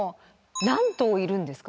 何頭いるんですか？